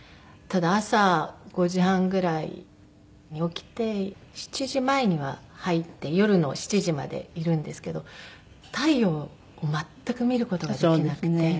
ただ朝５時半ぐらいに起きて７時前には入って夜の７時までいるんですけど太陽全く見る事ができなくて。